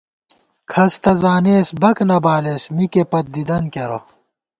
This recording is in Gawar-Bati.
کھس تہ زانېس بَک نہ بالېس مِکے پت دِدَن کېرہ